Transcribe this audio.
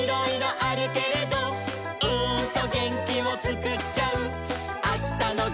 「あしたのげんきをつくっちゃう」